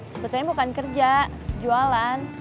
sebetulnya bukan kerja jualan